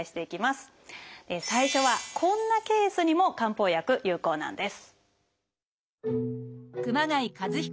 最初はこんなケースにも漢方薬有効なんです。